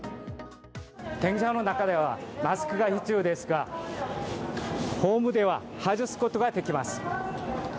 電車の中ではマスクが必要ですが、ホームでは外すことができます。